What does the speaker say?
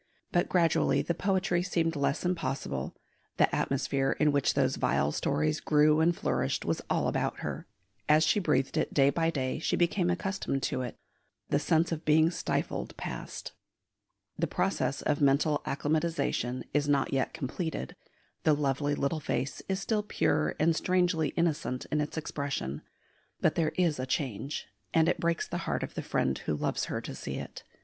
But gradually the poetry seemed less impossible; the atmosphere in which those vile stories grew and flourished was all about her; as she breathed it day by day she became accustomed to it; the sense of being stifled passed. The process of mental acclimatisation is not yet completed, the lovely little face is still pure and strangely innocent in its expression; but there is a change, and it breaks the heart of the friend who loves her to see it.